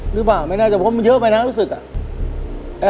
หรือเปล่าไม่น่าจะเพราะมันเยอะไปน่าที่สุดอะ